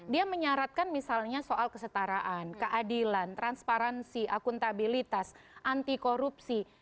dia menyaratkan misalnya soal kesetaraan keadilan transparansi akuntabilitas anti korupsi